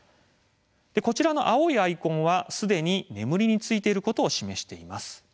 こちらの青いアイコンはすでに眠りについていることを示しています。